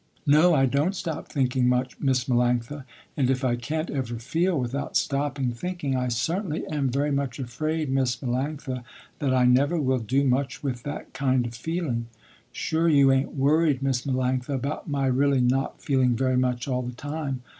No, I don't stop thinking much Miss Melanctha and if I can't ever feel without stopping thinking, I certainly am very much afraid Miss Melanctha that I never will do much with that kind of feeling. Sure you ain't worried Miss Melanctha, about my really not feeling very much all the time.